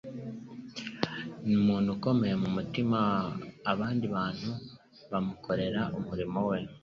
Ni umuntu ukomeye mu gutuma abandi bantu bamukorera umurimo we